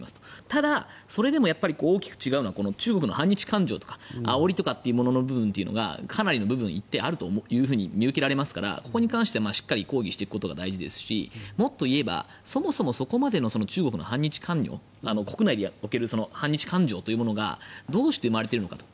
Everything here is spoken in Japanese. ただ、それでも大きく違うのは中国の反日感情とかあおりの部分がかなりの部分の部分あると見受けられますからここに関してはしっかり抗議していくことが大事ですしもっといえばそもそもそこまでの中国の反日感情国内における反日感情というものがどうして生まれているのかと。